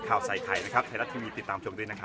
ข่าวใส่ไข่นะครับไทยรัฐทีวีติดตามชมด้วยนะครับ